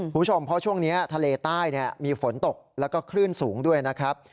คุณผู้ชมเพราะช่วงนี้ทะเลใต้มีฝนตกแล้วก็คลื่นสูงด้วยนะครับ